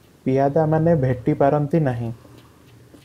ପିଆଦାମାନେ ଭେଟି ପାରନ୍ତି ନାହିଁ ।